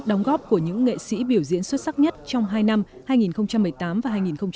đóng góp của những nghệ sĩ biểu diễn xuất sắc nhất trong hai năm hai nghìn một mươi tám và hai nghìn một mươi chín